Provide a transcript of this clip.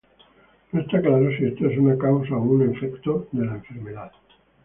No está claro si esto es una causa o un efecto de la enfermedad.